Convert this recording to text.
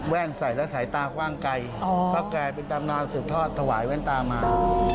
เพราะแกเป็นตำนานสืบทอดถวายแว่นตามา